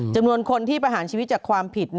จำนวนคนที่ประหารชีวิตจากความผิด